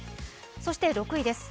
そして６位です。